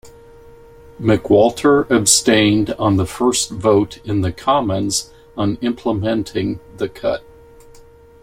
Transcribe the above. McWalter abstained on the first vote in the Commons on implementing the cut.